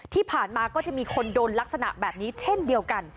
ก็จะมีคนโดนลักษณะแบบนี้เช่นเดียวกัน